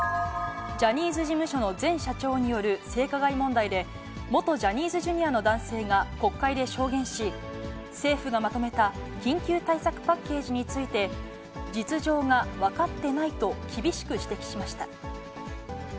ジャニーズ事務所の前社長による性加害問題で、元ジャニーズＪｒ．の男性が国会で証言し、政府がまとめた緊急対策パッケージについて、実情が分かってないと厳しく指摘しました。